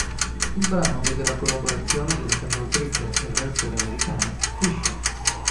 Il brano vede la collaborazione della cantautrice e rapper americana Kesha.